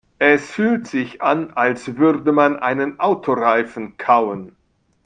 Es fühlt sich an, als würde man einen Autoreifen kauen.